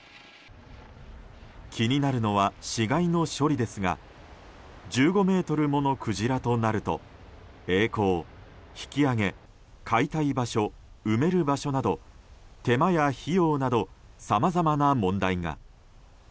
気になるのは死骸の処理ですが１５ｍものクジラとなると曳航、引き揚げ解体場所、埋める場所など手間や費用などさまざまな問題が。